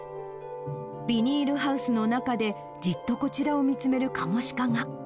ビニールハウスの中で、じっとこちらを見つめるカモシカが。